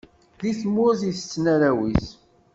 Deg tmurt i tetten arraw-is.